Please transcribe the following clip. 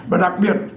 và đặc biệt